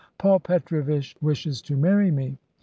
"Paul Petrovitch wishes to marry me.